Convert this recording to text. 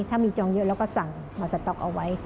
ถ้ามีจองเยอะเราก็สั่งมาสต๊อกเอาไว้